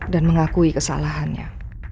dan mengakui kesalahannya